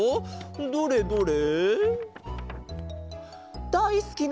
どれどれ？